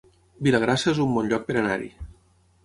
Vilagrassa es un bon lloc per anar-hi